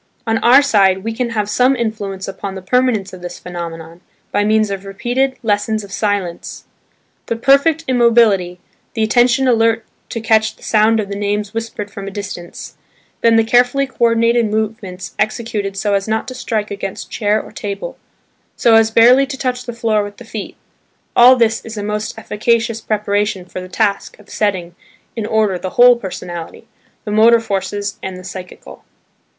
On our side, we can have some influence upon the permanence of this phenomenon, by means of repeated "Lessons of Silence." The perfect immobility, the attention alert to catch the sound of the names whispered from a distance, then the carefully co ordinated movements executed so as not to strike against chair or table, so as barely to touch the floor with the feet–all this is a most efficacious preparation for the task of setting in order the whole personality, the motor forces and the psychical.